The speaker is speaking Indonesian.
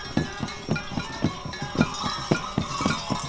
untuk menjaga keamanan dan keamanan di kota ini